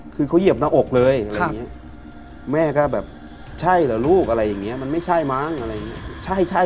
คือเขาเหยียบหน้าอกเลยอะไรอย่างนี้แม่ก็แบบใช่เหรอลูกอะไรอย่างนี้มันไม่ใช่มั้งอะไรอย่างนี้